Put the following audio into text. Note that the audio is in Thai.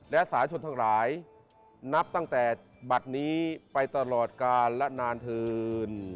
และสาชนทั้งหลายนับตั้งแต่บัตรนี้ไปตลอดกาลและนานเถิน